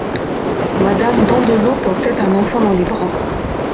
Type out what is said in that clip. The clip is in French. Madame Dandelot portait un enfant dans les bras.